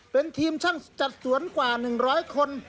เป็นทีมช่างจัดสวนกว่าหนึ่งร้อยคน